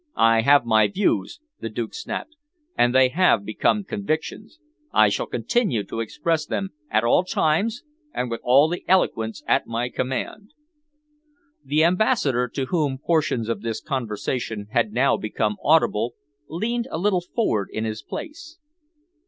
"I have my views," the Duke snapped, "and they have become convictions. I shall continue to express them at all times and with all the eloquence at my command." The Ambassador, to whom portions of this conversation had now become audible, leaned a little forward in his place.